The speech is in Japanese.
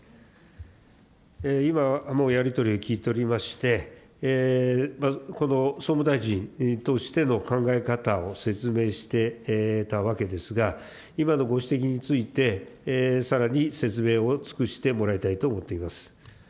今のやり取りを聞いておりまして、この総務大臣としての考え方を説明してたわけですが、今のご指摘について、さらに説明を尽くしてもらいたいと思っています。